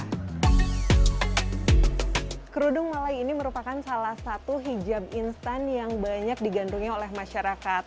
kerudung malai ini merupakan salah satu hijab instan yang banyak digandungi oleh masyarakat